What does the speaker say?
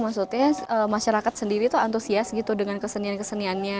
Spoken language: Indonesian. maksudnya masyarakat sendiri tuh antusias gitu dengan kesenian keseniannya